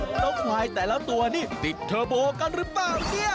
เพราะควายแต่ละตัวนี่ติดเทอร์โบกันหรือเปล่าเนี่ย